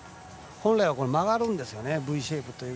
本来は曲がるんですよね。